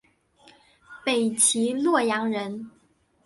北齐洛阳人。